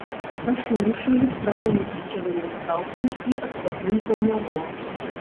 Кашулю шылі з прамымі плечавымі ўстаўкамі і адкладным каўняром.